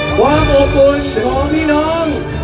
ความอบอุ่นของพี่น้อง